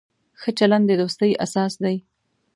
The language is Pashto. ښه چلند د دوستۍ اساس دی.